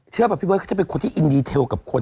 เชื่อว่าพี่เบิร์ดเขาจะเป็นคนที่อินดีเทลกับคน